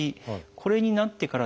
これになってからですね